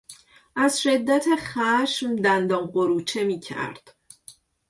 از شدت خشم دندان قروچه میکرد.